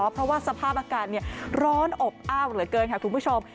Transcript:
เพราะว่าสภาพอากาศร้อนอบอ้าวเหลือเกินค่ะคุณผู้ชม